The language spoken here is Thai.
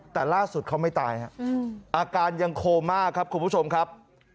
แต่ล่าสุดเขาไม่ตายอาการยังโค้มมากคุณผู้ชมครับ